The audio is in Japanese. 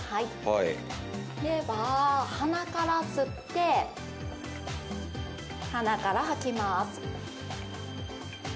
鼻から吸って鼻から吐きます。